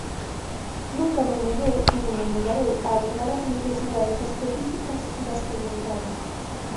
Nunca me neguei nin me negarei a abordar as necesidades específicas das comunidades.